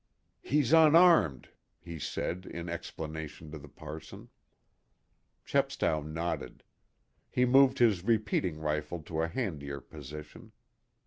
"He's unarmed," he said, in explanation to the parson. Chepstow nodded. He moved his repeating rifle to a handier position.